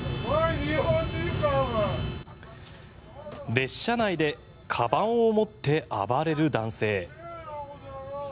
列車内でかばんを持って暴れる男性。